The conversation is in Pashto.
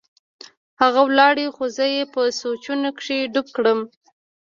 هغه ولاړ خو زه يې په سوچونو کښې ډوب کړم.